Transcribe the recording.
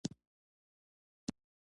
منځګړتوب هم مذاکراتو ته ورته دی.